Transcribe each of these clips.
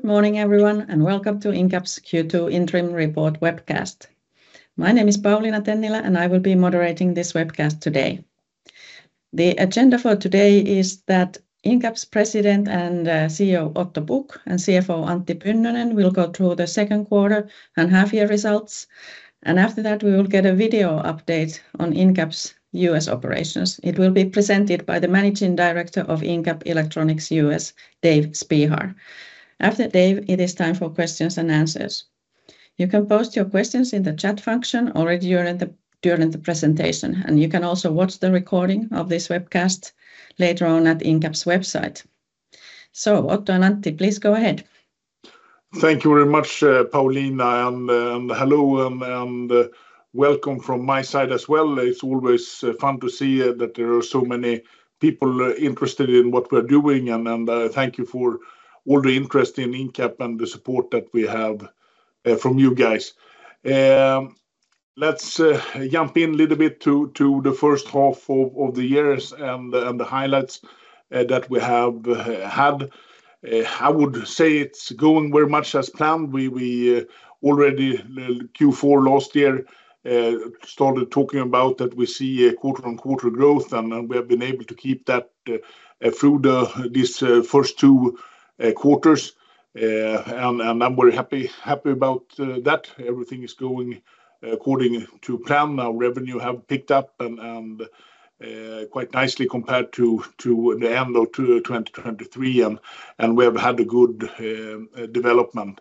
Good morning, everyone, and welcome to Incap's Q2 Interim Report Webcast. My name is Pauliina Tennilä, and I will be moderating this webcast today. The agenda for today is that Incap's President and CEO, Otto Pukk, and CFO, Antti Pynnönen, will go through the second quarter and half-year results. After that, we will get a video update on Incap's U.S. operations. It will be presented by the Managing Director of Incap Electronics US, Dave Spehar. After Dave, it is time for questions and answers. You can post your questions in the chat function or during the presentation. You can also watch the recording of this webcast later on at Incap's website. So, Otto and Antti, please go ahead. Thank you very much, Pauliina, and hello, and welcome from my side as well. It's always fun to see that there are so many people interested in what we're doing. Thank you for all the interest in Incap and the support that we have from you guys. Let's jump in a little bit to the first half of the year and the highlights that we have had. I would say it's going very much as planned. We already Q4 last year started talking about that we see quarter-on-quarter growth, and we have been able to keep that through this first two quarters. I'm very happy about that. Everything is going according to plan. Our revenue has picked up quite nicely compared to the end of 2023, and we have had a good development.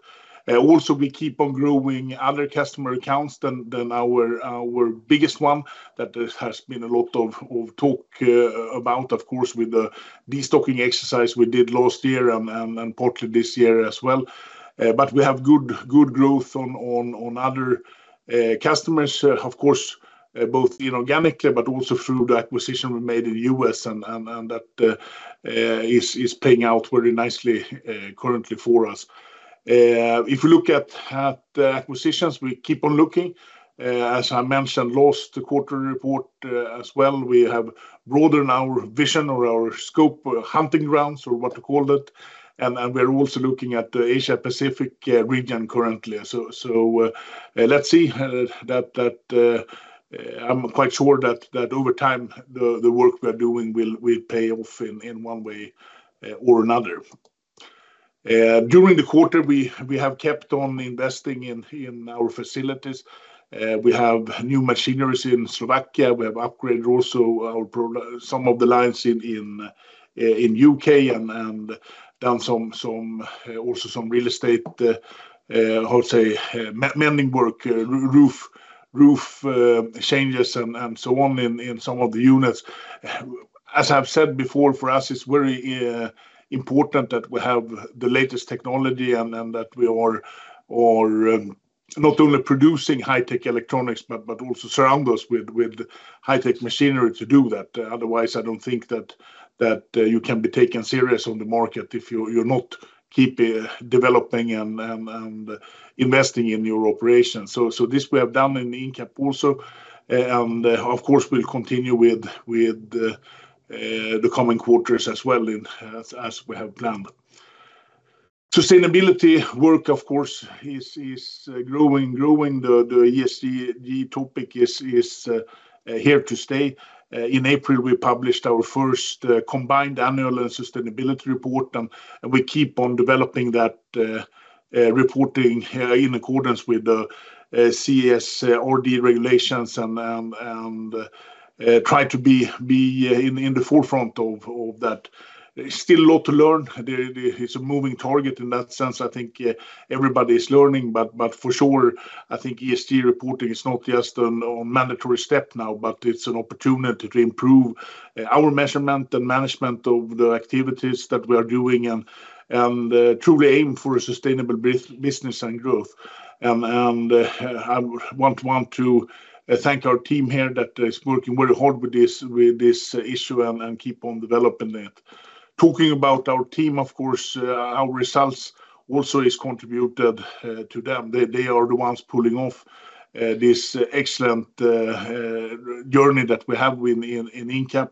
Also, we keep on growing other customer accounts than our biggest one. That has been a lot of talk about, of course, with the destocking exercise we did last year and partly this year as well. But we have good growth on other customers, of course, both in organic, but also through the acquisition we made in the US, and that is playing out very nicely currently for us. If we look at acquisitions, we keep on looking. As I mentioned, last quarter report as well, we have broadened our vision or our scope hunting grounds or what to call it. And we're also looking at the Asia-Pacific region currently. So let's see. I'm quite sure that over time, the work we're doing will pay off in one way or another. During the quarter, we have kept on investing in our facilities. We have new machineries in Slovakia. We have upgraded also some of the lines in the UK and done also some real estate, I would say, mending work, roof changes, and so on in some of the units. As I've said before, for us, it's very important that we have the latest technology and that we are not only producing high-tech electronics, but also surround us with high-tech machinery to do that. Otherwise, I don't think that you can be taken seriously on the market if you're not keeping developing and investing in your operations. So this we have done in Incap also, and of course, we'll continue with the coming quarters as well as we have planned. Sustainability work, of course, is growing. The ESG topic is here to stay. In April, we published our first combined annual and sustainability report, and we keep on developing that reporting in accordance with the CSRD regulations and try to be in the forefront of that. Still a lot to learn. It's a moving target. In that sense, I think everybody is learning, but for sure, I think ESG reporting is not just a mandatory step now, but it's an opportunity to improve our measurement and management of the activities that we are doing and truly aim for sustainable business and growth. And I want to thank our team here that is working very hard with this issue and keep on developing it. Talking about our team, of course, our results also have contributed to them. They are the ones pulling off this excellent journey that we have in Incap.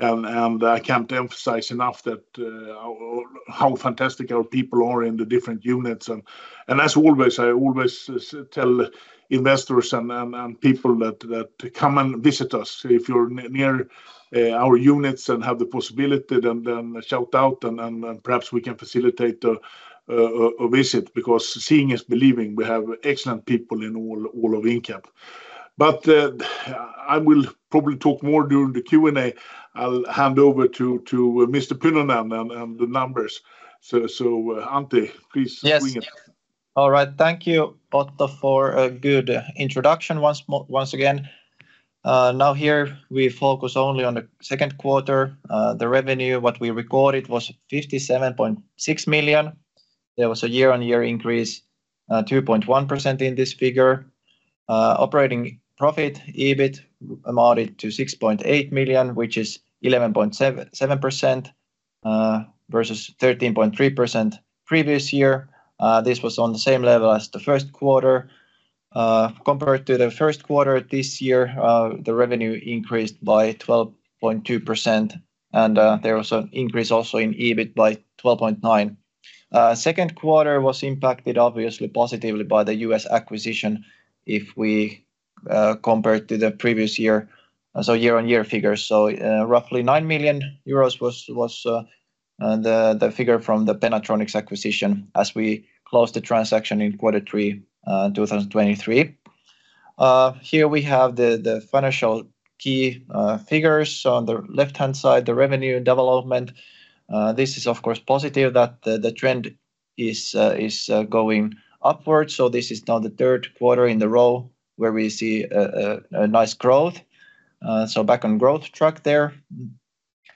I can't emphasize enough how fantastic our people are in the different units. As always, I always tell investors and people that come and visit us, if you're near our units and have the possibility, then shout out, and perhaps we can facilitate a visit because seeing is believing. We have excellent people in all of Incap. I will probably talk more during the Q&A. I'll hand over to Mr. Pynnönen and the numbers. Antti, please bring it. Yes. All right. Thank you, Otto, for a good introduction once again. Now here, we focus only on the second quarter. The revenue, what we recorded, was 57.6 million. There was a year-on-year increase, 2.1% in this figure. Operating profit, EBIT, amounted to 6.8 million, which is 11.7% versus 13.3% previous year. This was on the same level as the first quarter. Compared to the first quarter this year, the revenue increased by 12.2%, and there was an increase also in EBIT by 12.9%. The second quarter was impacted, obviously, positively by the US acquisition if we compare to the previous year, so year-on-year figures. So roughly 9 million euros was the figure from the Pennatronics acquisition as we closed the transaction in quarter three in 2023. Here we have the financial key figures on the left-hand side, the revenue development. This is, of course, positive that the trend is going upwards. So this is now the third quarter in a row where we see a nice growth. So back on growth track there.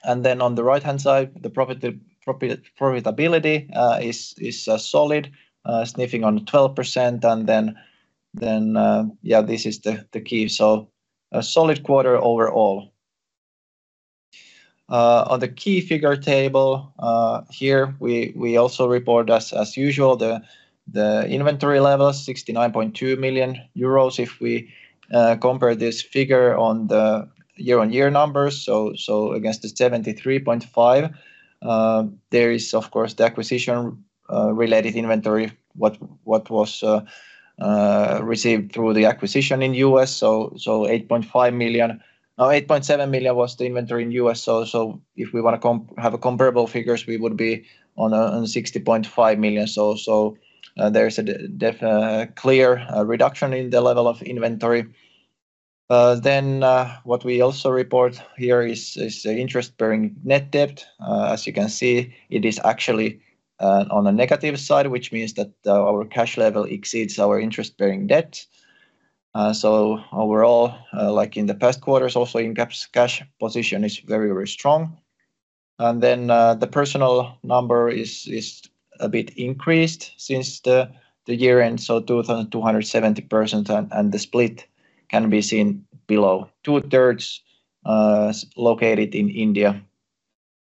And then on the right-hand side, the profitability is solid, sniffing on 12%. And then, yeah, this is the key. So a solid quarter overall. On the key figure table here, we also report, as usual, the inventory levels, 69.2 million euros if we compare this figure on the year-on-year numbers. So against the 73.5, there is, of course, the acquisition-related inventory, what was received through the acquisition in the US, so 8.5 million. Now, 8.7 million was the inventory in the US. So if we want to have comparable figures, we would be on 60.5 million. So there's a clear reduction in the level of inventory. Then what we also report here is interest-bearing net debt. As you can see, it is actually on a negative side, which means that our cash level exceeds our interest-bearing debt. So overall, like in the past quarters, also Incap's cash position is very, very strong. And then the personnel number is a bit increased since the year-end, so 2,270, and the split can be seen below, two-thirds located in India.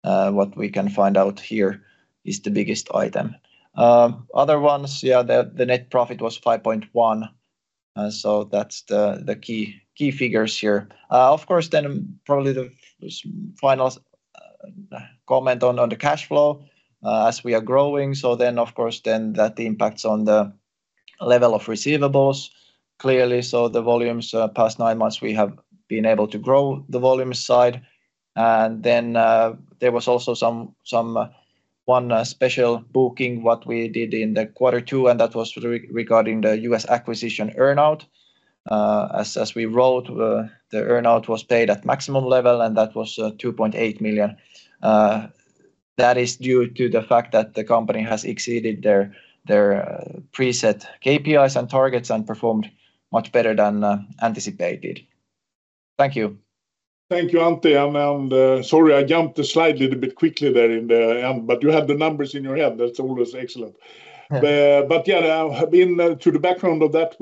What we can find out here is the biggest item. Other ones, yeah, the net profit was 5.1 million. So that's the key figures here. Of course, then probably the final comment on the cash flow as we are growing. So then, of course, then that impacts on the level of receivables clearly. So the volumes past nine months, we have been able to grow the volume side. Then there was also one special booking that we did in quarter two, and that was regarding the U.S. acquisition earnout. As we wrote, the earnout was paid at maximum level, and that was 2.8 million. That is due to the fact that the company has exceeded their preset KPIs and targets and performed much better than anticipated. Thank you. Thank you, Antti. Sorry, I jumped the slide a little bit quickly there in the end, but you have the numbers in your head. That's always excellent. Yeah, into the background of that,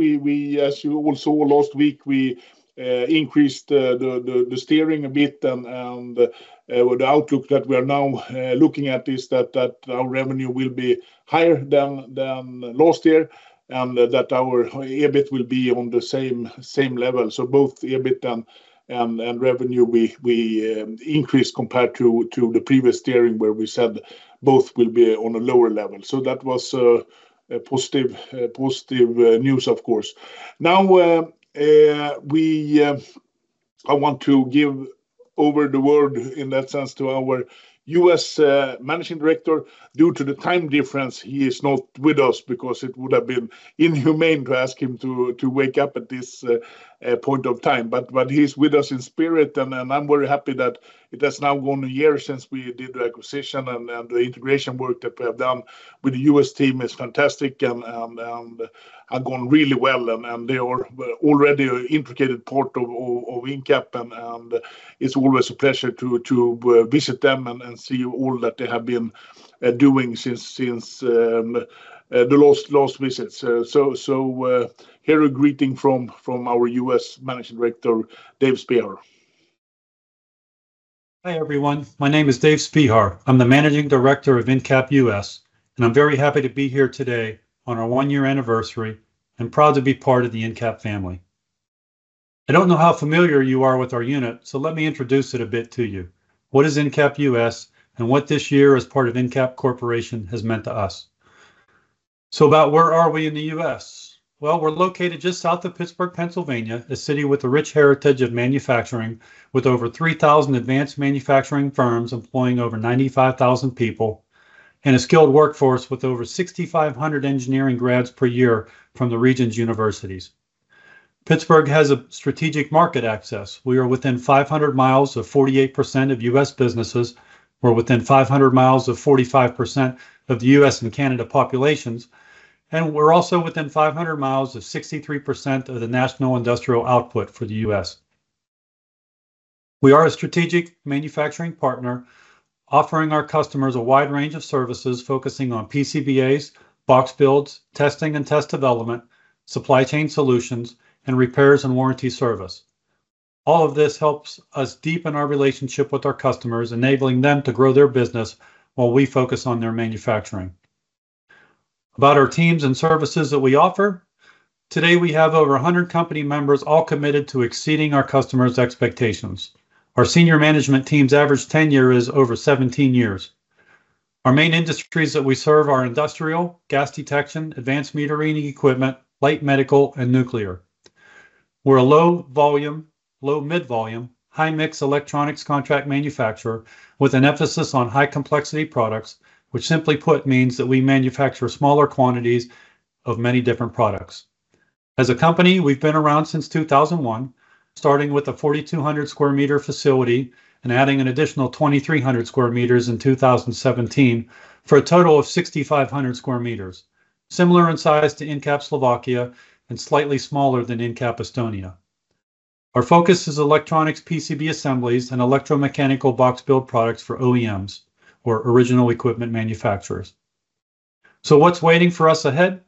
as you all saw last week, we increased the guidance a bit. The outlook that we are now looking at is that our revenue will be higher than last year and that our EBIT will be on the same level. Both EBIT and revenue we increased compared to the previous guidance where we said both will be on a lower level. That was positive news, of course. Now, I want to give over the word in that sense to our U.S. Managing Director. Due to the time difference, he is not with us because it would have been inhumane to ask him to wake up at this point of time. But he's with us in spirit, and I'm very happy that it has now gone a year since we did the acquisition, and the integration work that we have done with the US team is fantastic and has gone really well. They are already an intricate part of Incap, and it's always a pleasure to visit them and see all that they have been doing since the last visit. Here a greeting from our US Managing Director, Dave Spehar. Hi everyone. My name is Dave Spehar. I'm the Managing Director of Incap US, and I'm very happy to be here today on our one-year anniversary and proud to be part of the Incap family. I don't know how familiar you are with our unit, so let me introduce it a bit to you. What is Incap US and what this year as part of Incap Corporation has meant to us? About where are we in the U.S.? Well, we're located just south of Pittsburgh, Pennsylvania, a city with a rich heritage of manufacturing with over 3,000 advanced manufacturing firms employing over 95,000 people and a skilled workforce with over 6,500 engineering grads per year from the region's universities. Pittsburgh has a strategic market access. We are within 500 miles of 48% of U.S. businesses. We're within 500 miles of 45% of the U.S. and Canada populations. We're also within 500 miles of 63% of the national industrial output for the US. We are a strategic manufacturing partner offering our customers a wide range of services focusing on PCBAs, box builds, testing and test development, supply chain solutions, and repairs and warranty service. All of this helps us deepen our relationship with our customers, enabling them to grow their business while we focus on their manufacturing. About our teams and services that we offer, today we have over 100 company members all committed to exceeding our customers' expectations. Our senior management team's average tenure is over 17 years. Our main industries that we serve are industrial, gas detection, advanced metering equipment, light medical, and nuclear. We're a low volume, low mid volume, high mix electronics contract manufacturer with an emphasis on high complexity products, which simply put means that we manufacture smaller quantities of many different products. As a company, we've been around since 2001, starting with a 4,200 square meter facility and adding an additional 2,300 square meters in 2017 for a total of 6,500 square meters, similar in size to Incap Slovakia and slightly smaller than Incap Estonia. Our focus is electronics PCB assemblies and electromechanical box build products for OEMs or original equipment manufacturers. So what's waiting for us ahead?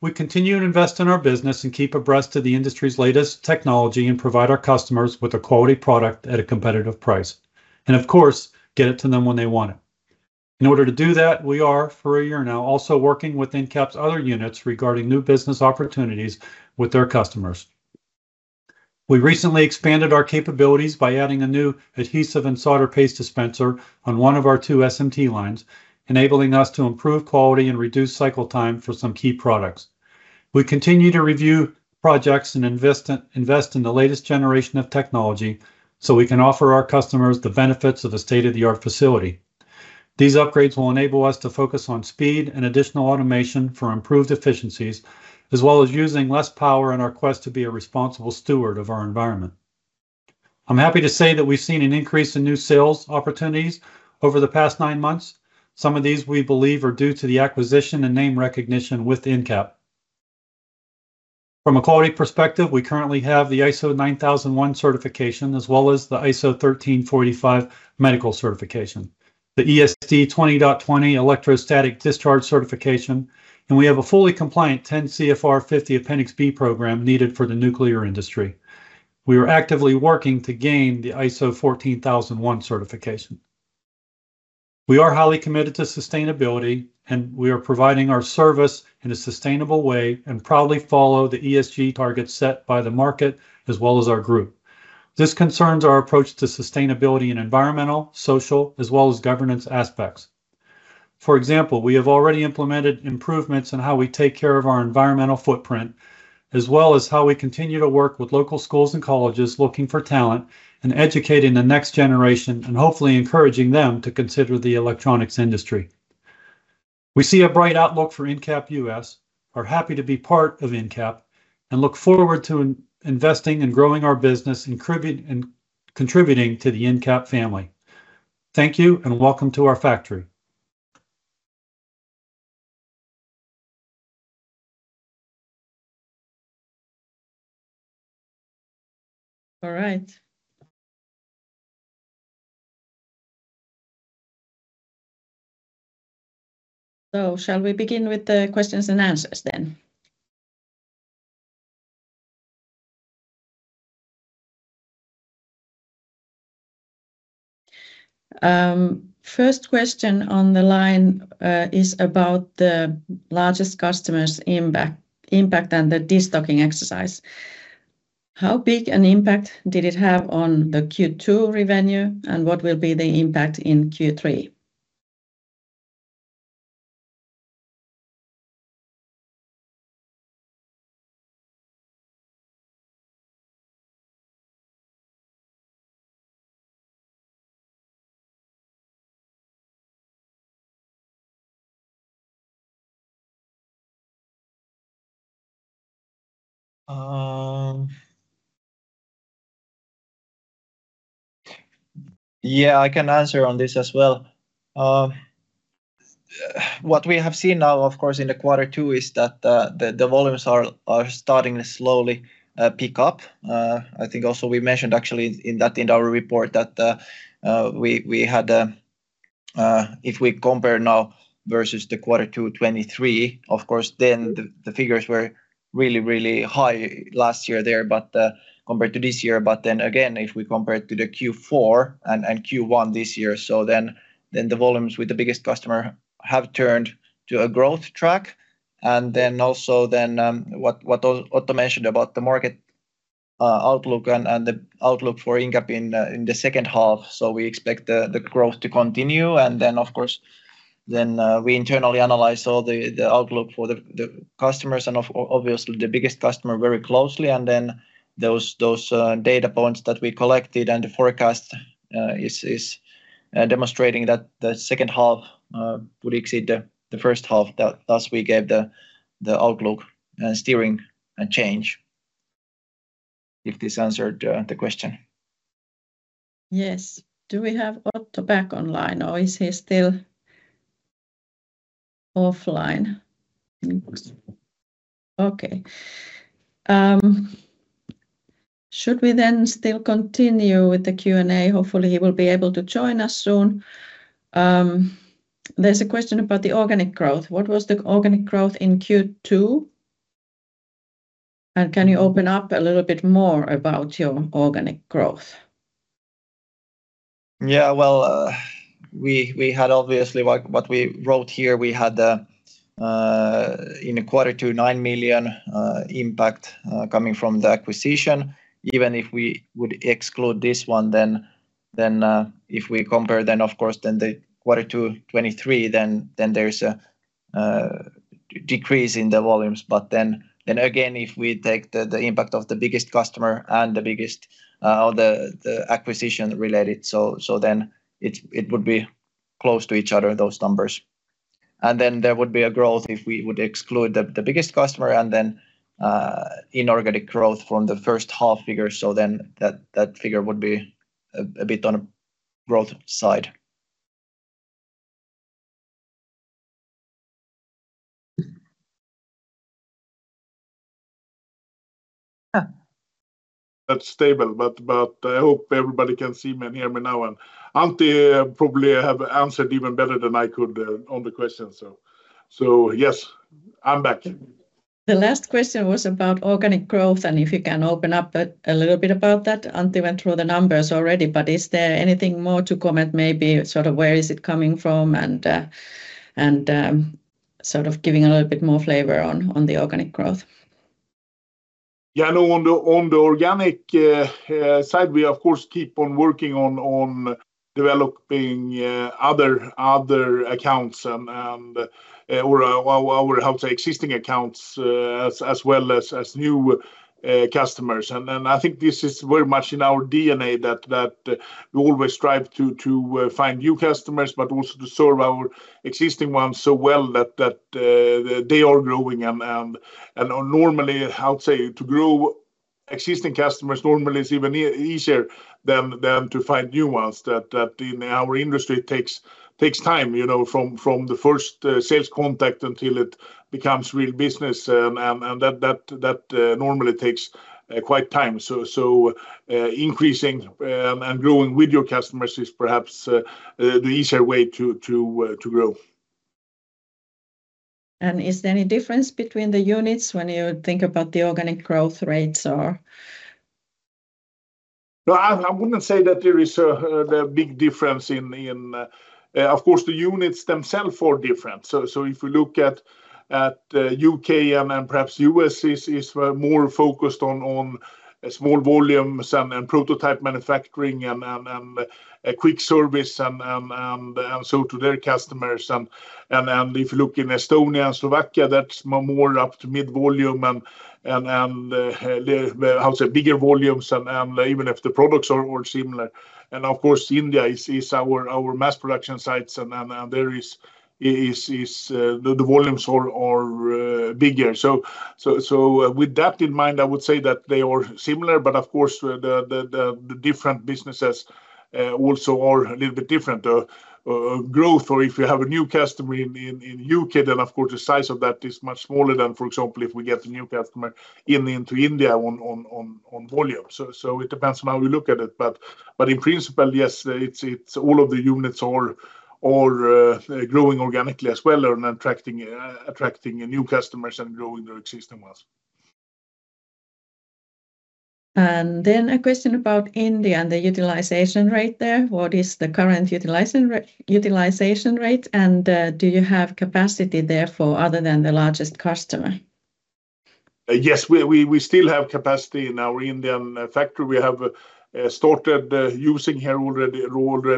We continue to invest in our business and keep abreast of the industry's latest technology and provide our customers with a quality product at a competitive price. And of course, get it to them when they want it. In order to do that, we are for a year now also working with Incap's other units regarding new business opportunities with their customers. We recently expanded our capabilities by adding a new adhesive and solder paste dispenser on one of our two SMT lines, enabling us to improve quality and reduce cycle time for some key products. We continue to review projects and invest in the latest generation of technology so we can offer our customers the benefits of a state-of-the-art facility. These upgrades will enable us to focus on speed and additional automation for improved efficiencies, as well as using less power in our quest to be a responsible steward of our environment. I'm happy to say that we've seen an increase in new sales opportunities over the past nine months. Some of these we believe are due to the acquisition and name recognition with Incap. From a quality perspective, we currently have the ISO 9001 certification as well as the ISO 13485 medical certification, the ANSI/ESD S20.20 electrostatic discharge certification, and we have a fully compliant 10 CFR 50 Appendix B program needed for the nuclear industry. We are actively working to gain the ISO 14001 certification. We are highly committed to sustainability, and we are providing our service in a sustainable way and proudly follow the ESG targets set by the market as well as our group. This concerns our approach to sustainability in environmental, social, as well as governance aspects. For example, we have already implemented improvements in how we take care of our environmental footprint, as well as how we continue to work with local schools and colleges looking for talent and educating the next generation and hopefully encouraging them to consider the electronics industry. We see a bright outlook for Incap US, are happy to be part of Incap, and look forward to investing and growing our business and contributing to the Incap family. Thank you and welcome to our factory. All right. So shall we begin with the questions and answers then? First question on the line is about the largest customer's impact and the destocking exercise. How big an impact did it have on the Q2 revenue, and what will be the impact in Q3? Yeah, I can answer on this as well. What we have seen now, of course, in the quarter two is that the volumes are starting to slowly pick up. I think also we mentioned actually in our report that we had, if we compare now versus the quarter two 2023, of course, then the figures were really, really high last year there, but compared to this year. But then again, if we compare to the Q4 and Q1 this year, so then the volumes with the biggest customer have turned to a growth track. And then also then what Otto mentioned about the market outlook and the outlook for Incap in the second half. So we expect the growth to continue. And then, of course, then we internally analyze all the outlook for the customers and obviously the biggest customer very closely. And then those data points that we collected and the forecast is demonstrating that the second half would exceed the first half. Thus we gave the outlook and steering a change. If this answered the question? Yes. Do we have Otto back online or is he still offline? Okay. Should we then still continue with the Q&A? Hopefully he will be able to join us soon. There's a question about the organic growth. What was the organic growth in Q2? And can you open up a little bit more about your organic growth? Yeah, well, we had obviously what we wrote here, we had in quarter two 9 million impact coming from the acquisition. Even if we would exclude this one, then if we compare, then of course, then the quarter two 2023, then there's a decrease in the volumes. But then again, if we take the impact of the biggest customer and the biggest or the acquisition related, so then it would be close to each other, those numbers. And then there would be a growth if we would exclude the biggest customer and then inorganic growth from the first half figure. So then that figure would be a bit on the growth side. Yeah. That's stable, but I hope everybody can see me and hear me now. Antti probably has answered even better than I could on the question. Yes, I'm back. The last question was about organic growth and if you can open up a little bit about that. Antti went through the numbers already, but is there anything more to comment? Maybe sort of where is it coming from and sort of giving a little bit more flavor on the organic growth? Yeah, no, on the organic side, we of course keep on working on developing other accounts and our, I would say, existing accounts as well as new customers. And I think this is very much in our DNA that we always strive to find new customers, but also to serve our existing ones so well that they are growing. And normally, I would say to grow existing customers normally is even easier than to find new ones. That in our industry takes time from the first sales contact until it becomes real business. And that normally takes quite time. So increasing and growing with your customers is perhaps the easier way to grow. Is there any difference between the units when you think about the organic growth rates or? No, I wouldn't say that there is a big difference. Of course, the units themselves are different. So if we look at U.K. and perhaps U.S. is more focused on small volumes and prototype manufacturing and quick service and so to their customers. And if you look in Estonia and Slovakia, that's more up to mid volume and, I would say, bigger volumes and even if the products are similar. And of course, India is our mass production sites and there is the volumes are bigger. So with that in mind, I would say that they are similar, but of course, the different businesses also are a little bit different. Growth, or if you have a new customer in the U.K., then of course the size of that is much smaller than, for example, if we get a new customer into India on volume. It depends on how we look at it. In principle, yes, all of the units are growing organically as well and attracting new customers and growing their existing ones. And then a question about India and the utilization rate there. What is the current utilization rate and do you have capacity there for other than the largest customer? Yes, we still have capacity in our Indian factory. We have started using here already at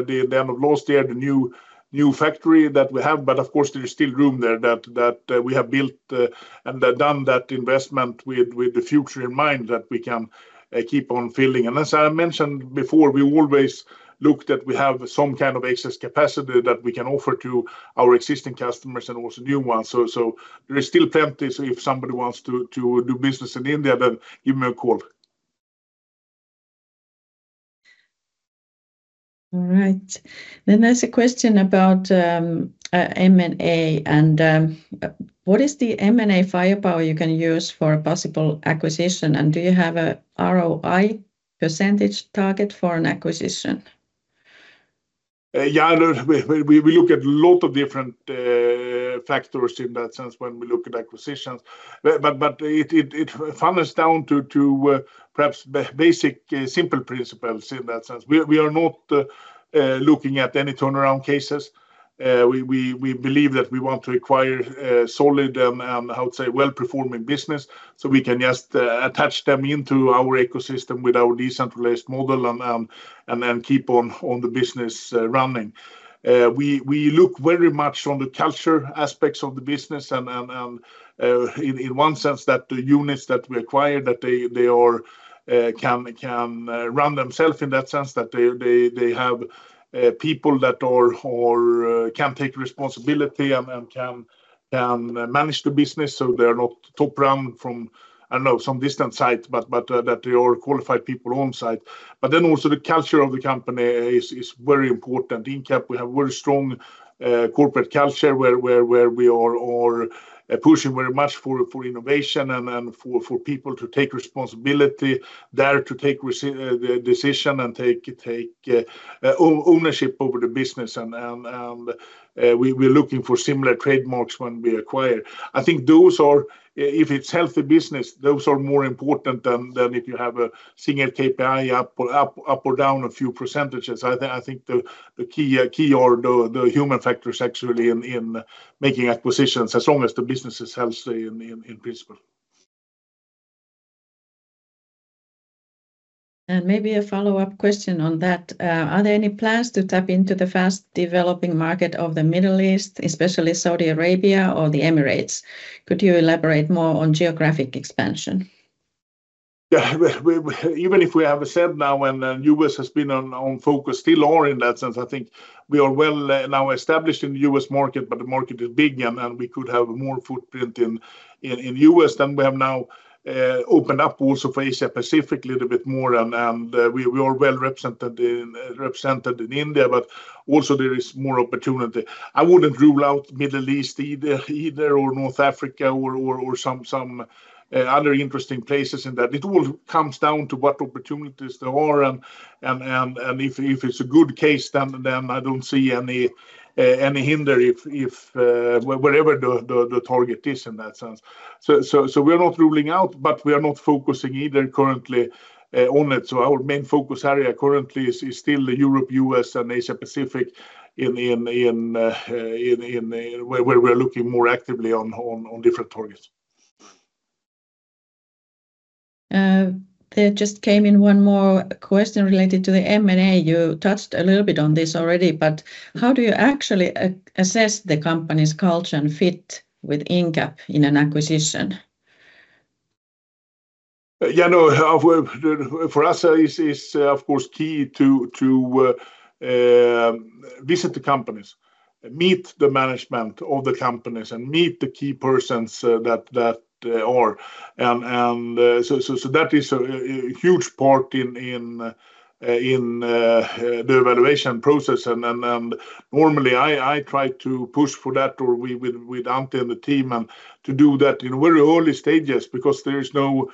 the end of last year the new factory that we have. But of course, there is still room there that we have built and done that investment with the future in mind that we can keep on filling. And as I mentioned before, we always look that we have some kind of excess capacity that we can offer to our existing customers and also new ones. So there is still plenty. So if somebody wants to do business in India, then give me a call. All right. Then there's a question about M&A and what is the M&A firepower you can use for a possible acquisition? And do you have an ROI percentage target for an acquisition? Yeah, we look at a lot of different factors in that sense when we look at acquisitions. But it funnels down to perhaps basic simple principles in that sense. We are not looking at any turnaround cases. We believe that we want to acquire solid and, I would say, well-performing business so we can just attach them into our ecosystem with our decentralized model and keep on the business running. We look very much on the culture aspects of the business and in one sense that the units that we acquired, that they can run themselves in that sense, that they have people that can take responsibility and can manage the business. So they are not top run from, I don't know, some distant site, but that they are qualified people on site. But then also the culture of the company is very important. Incap, we have a very strong corporate culture where we are pushing very much for innovation and for people to take responsibility there to take the decision and take ownership over the business. And we're looking for similar trademarks when we acquire. I think those are, if it's healthy business, those are more important than if you have a single KPI up or down a few percentages. I think the key are the human factors actually in making acquisitions as long as the business is healthy in principle. Maybe a follow-up question on that. Are there any plans to tap into the fast developing market of the Middle East, especially Saudi Arabia or the Emirates? Could you elaborate more on geographic expansion? Yeah, even if we have said now when the U.S. has been on focus still or in that sense, I think we are well now established in the U.S. market, but the market is big and we could have more footprint in the U.S. than we have now opened up also for Asia-Pacific a little bit more. And we are well represented in India, but also there is more opportunity. I wouldn't rule out the Middle East either or North Africa or some other interesting places in that. It all comes down to what opportunities there are. And if it's a good case, then I don't see any hinder wherever the target is in that sense. So we are not ruling out, but we are not focusing either currently on it. Our main focus area currently is still the Europe, U.S., and Asia Pacific where we are looking more actively on different targets. There just came in one more question related to the M&A. You touched a little bit on this already, but how do you actually assess the company's culture and fit with Incap in an acquisition? Yeah, no, for us it's of course key to visit the companies, meet the management of the companies, and meet the key persons that are. And so that is a huge part in the evaluation process. And normally I try to push for that or with Antti and the team and to do that in very early stages because there is no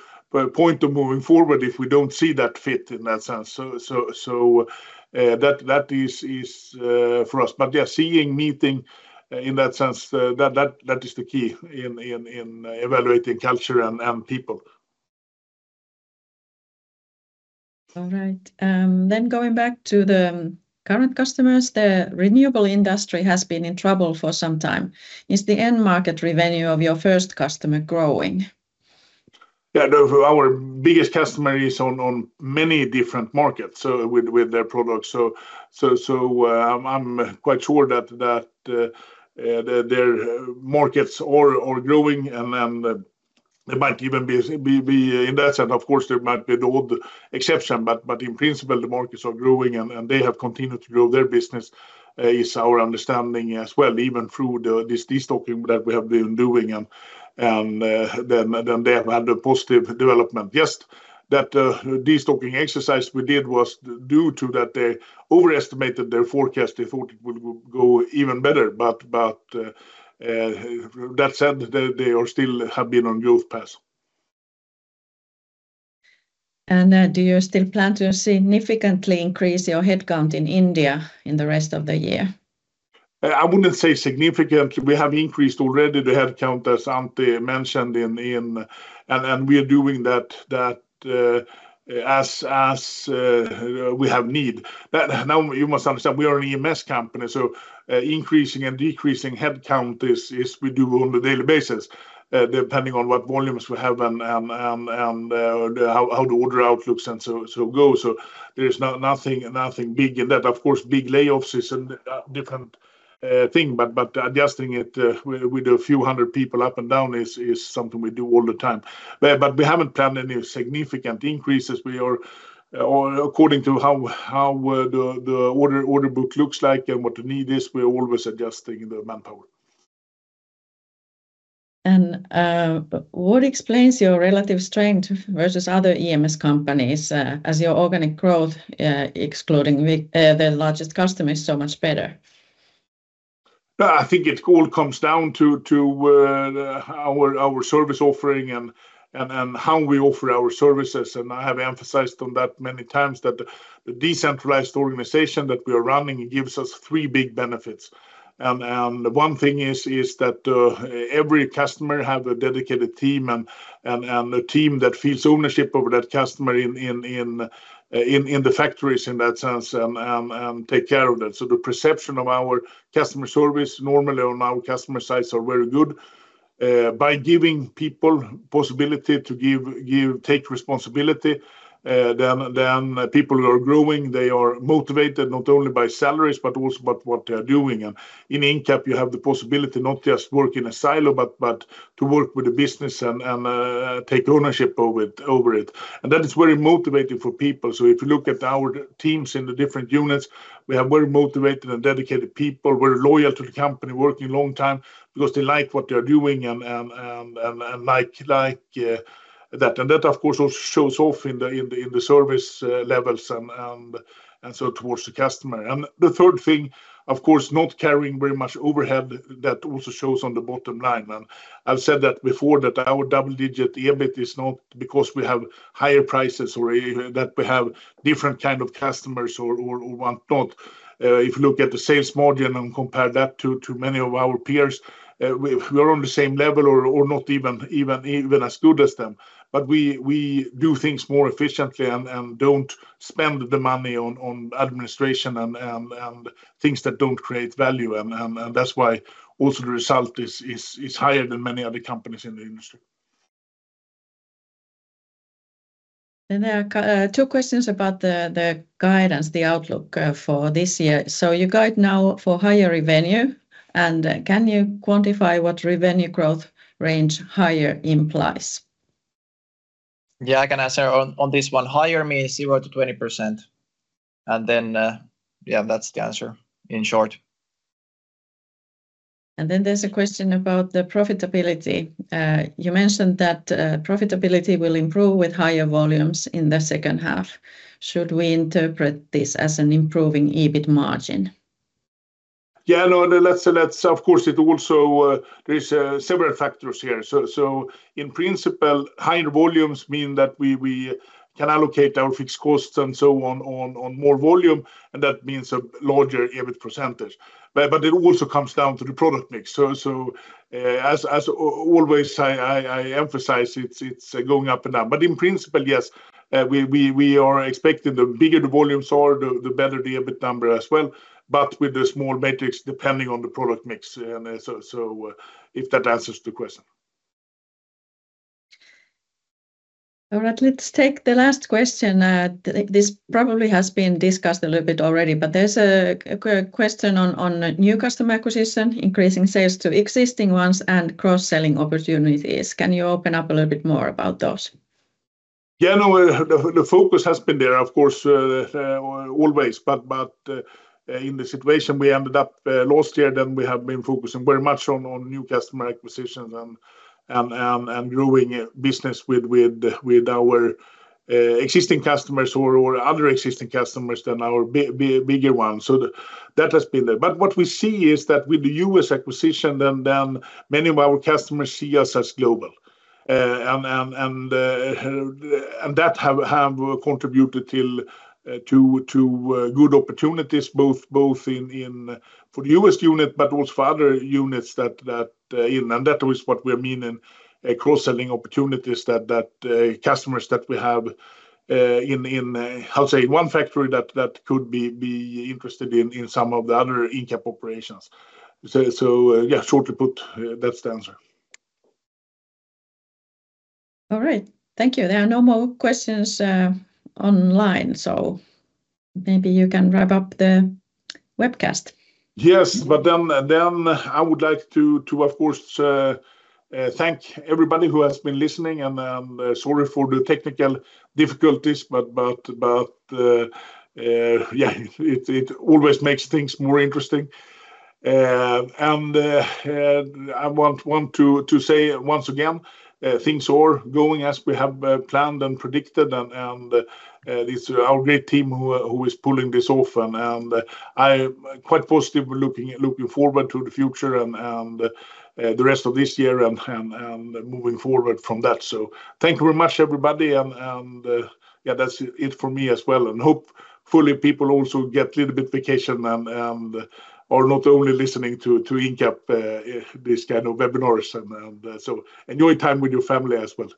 point of moving forward if we don't see that fit in that sense. So that is for us. But yeah, seeing, meeting in that sense, that is the key in evaluating culture and people. All right. Then going back to the current customers, the renewable industry has been in trouble for some time. Is the end market revenue of your first customer growing? Yeah, no, our biggest customer is on many different markets with their products. So I'm quite sure that their markets are growing and they might even be in that sense. Of course, there might be the odd exception, but in principle, the markets are growing and they have continued to grow their business, is our understanding as well, even through this destocking that we have been doing. And then they have had a positive development. Yes, that destocking exercise we did was due to that they overestimated their forecast. They thought it would go even better. But that said, they still have been on growth path. Do you still plan to significantly increase your headcount in India in the rest of the year? I wouldn't say significant. We have increased already the headcount as Antti mentioned in, and we are doing that as we have need. Now you must understand we are an EMS company. So increasing and decreasing headcount is we do on the daily basis depending on what volumes we have and how the order outlooks and so go. So there is nothing big in that. Of course, big layoffs is a different thing, but adjusting it with a few hundred people up and down is something we do all the time. But we haven't planned any significant increases. According to how the order book looks like and what the need is, we are always adjusting the manpower. What explains your relative strength versus other EMS companies as your organic growth, excluding the largest customers, so much better? I think it all comes down to our service offering and how we offer our services. I have emphasized on that many times that the decentralized organization that we are running gives us three big benefits. One thing is that every customer has a dedicated team and a team that feels ownership over that customer in the factories in that sense and take care of that. The perception of our customer service normally on our customer sites is very good. By giving people the possibility to take responsibility, then people who are growing, they are motivated not only by salaries, but also by what they are doing. In Incap, you have the possibility not just to work in a silo, but to work with the business and take ownership over it. That is very motivating for people. So if you look at our teams in the different units, we have very motivated and dedicated people, very loyal to the company, working a long time because they like what they are doing and like that. And that, of course, also shows off in the service levels and so towards the customer. And the third thing, of course, not carrying very much overhead, that also shows on the bottom line. And I've said that before that our double-digit EBIT is not because we have higher prices or that we have different kinds of customers or whatnot. If you look at the sales margin and compare that to many of our peers, we are on the same level or not even as good as them. But we do things more efficiently and don't spend the money on administration and things that don't create value. That's why also the result is higher than many other companies in the industry. There are two questions about the guidance, the outlook for this year. You guide now for higher revenue. Can you quantify what revenue growth range higher implies? Yeah, I can answer on this one. Higher means 0%-20%. And then yeah, that's the answer in short. There's a question about the profitability. You mentioned that profitability will improve with higher volumes in the second half. Should we interpret this as an improving EBIT margin? Yeah, no, of course, there are several factors here. So in principle, higher volumes mean that we can allocate our fixed costs and so on on more volume. And that means a larger EBIT percentage. But it also comes down to the product mix. So as always, I emphasize it's going up and down. But in principle, yes, we are expecting the bigger the volumes are, the better the EBIT number as well. But with the small metrics depending on the product mix. And so if that answers the question. All right, let's take the last question. This probably has been discussed a little bit already, but there's a question on new customer acquisition, increasing sales to existing ones, and cross-selling opportunities. Can you open up a little bit more about those? Yeah, no, the focus has been there, of course, always. But in the situation we ended up last year, then we have been focusing very much on new customer acquisitions and growing business with our existing customers or other existing customers than our bigger ones. So that has been there. But what we see is that with the US acquisition, then many of our customers see us as global. And that has contributed to good opportunities both for the US unit, but also for other units that are in. And that is what we are meaning cross-selling opportunities that customers that we have in, I would say, one factory that could be interested in some of the other Incap operations. So yeah, shortly put, that's the answer. All right, thank you. There are no more questions online. Maybe you can wrap up the webcast. Yes, but then I would like to, of course, thank everybody who has been listening. And sorry for the technical difficulties, but yeah, it always makes things more interesting. And I want to say once again, things are going as we have planned and predicted. And it's our great team who is pulling this off. And I'm quite positive looking forward to the future and the rest of this year and moving forward from that. So thank you very much, everybody. And yeah, that's it for me as well. And hopefully people also get a little bit of vacation and are not only listening to Incap, these kinds of webinars. And so enjoy time with your family as well.